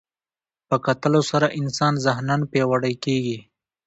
په کتلو سره انسان ذهناً پیاوړی کېږي